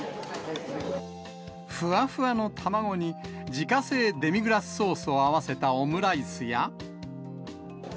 ふわふわの卵に、自家製デミグラスソースを合わせたオムライスや。